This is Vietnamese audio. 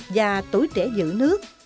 và tuổi trẻ giữ nước